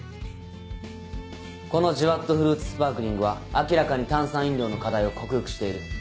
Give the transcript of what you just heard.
この「ジュワっとフルーツスパークリング」は明らかに炭酸飲料の課題を克服している。